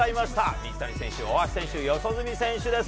水谷選手大橋選手、四十住選手です。